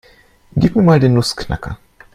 Gib mir mal den Nussknacker.